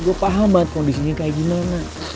gue paham banget kondisinya kayak gimana